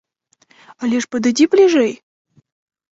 Але ж падыдзі бліжэй!